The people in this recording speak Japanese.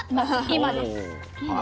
今です。